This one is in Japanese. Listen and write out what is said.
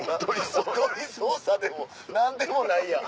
おとり捜査でも何でもないやん。